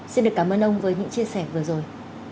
xin được cảm ơn ông với những chia sẻ vừa rồi